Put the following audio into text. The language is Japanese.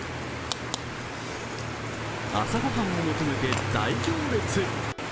朝御飯を求めて、大行列。